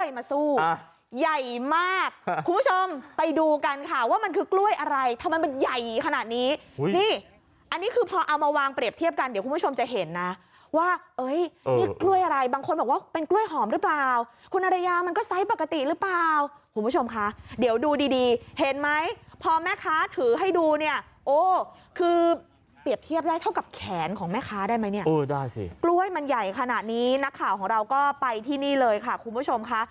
กล้วยมาสู้ใหญ่มากคุณผู้ชมไปดูกันค่ะว่ามันคือกล้วยอะไรทำไมมันใหญ่ขนาดนี้นี่อันนี้คือพอเอามาวางเปรียบเทียบกันเดี๋ยวคุณผู้ชมจะเห็นนะว่าเอ้ยนี่กล้วยอะไรบางคนบอกว่าเป็นกล้วยหอมหรือเปล่าคุณอรัยามันก็ไซส์ปกติหรือเปล่าคุณผู้ชมค่ะเดี๋ยวดูดีเห็นไหมพอแม่คะถือให้ดูเนี่ยโอ้คือเปรียบเ